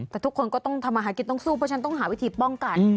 แต่ทุกคนก็ต้องทำอาหารกินต้องสู้เพราะฉะนั้นต้องหาวิธีป้องกัน